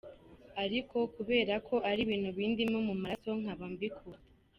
Ariko kubera ko ari ibintu bindimo mu maraso kaba mbikunda.